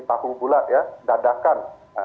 tahu pula ya dadakan